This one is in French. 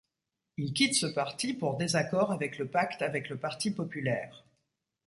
Il quitte ce parti pour désaccord avec le pacte avec le Parti populaire.